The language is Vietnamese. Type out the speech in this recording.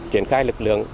triển khai lực lượng